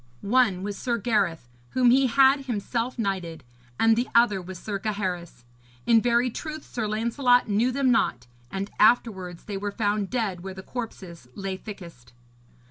One was Sir Gareth, whom he had himself knighted, and the other was Sir Gaheris. In very truth Sir Lancelot knew them not; and afterwards they were found dead where the corpses lay thickest.